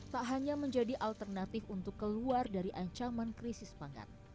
tak hanya menjadi alternatif untuk keluar dari ancaman krisis pangan